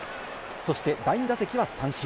そして第２打席は三振。